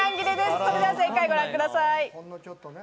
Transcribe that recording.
それでは正解をご覧ください。